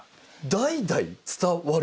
代々伝わる？